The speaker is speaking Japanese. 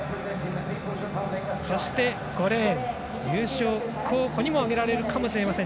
そして５レーン優勝候補にもあげられるかもしれません。